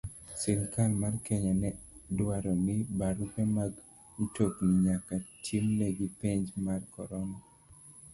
Sirkal mar Kenya ne dwaro ni derepe mag mtokni nyaka timnegi penj mar corona